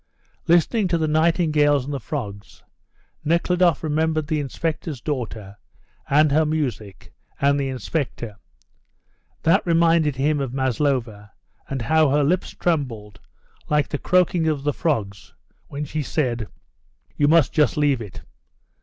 Listening to the nightingales and the frogs, Nekhludoff remembered the inspector's daughter, and her music, and the inspector; that reminded him of Maslova, and how her lips trembled, like the croaking of the frogs, when she said, "You must just leave it."